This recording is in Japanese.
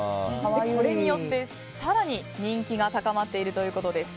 これによって、更に人気が高まっているということです。